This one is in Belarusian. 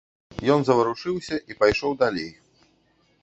Ён заварушыўся і пайшоў далей.